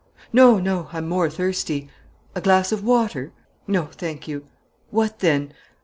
"No, no; I'm more thirsty." "A glass of water?" "No, thank you." "What then?"